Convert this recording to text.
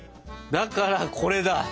だからこれだ！